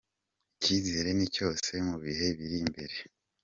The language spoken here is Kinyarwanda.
Icyizere ni cyose mu bihe biri imbere.